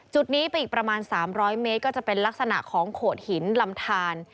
จุดนี้ไปอีกประมาณ๓๐๐เมตรก็จะเป็นลักษณะของโขดหินลำทาน